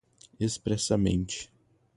expressamente